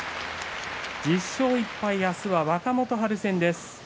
１０勝１敗、明日は若元春戦です。